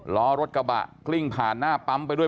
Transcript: ล้อรถกระบะกลิ้งผ่านหน้าปั๊มไปด้วย